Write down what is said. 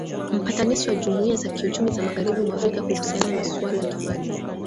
Mpatanishi wa jumuia za kiuchumi za magahribi mwa Afrika kuhusiana na suala la Mali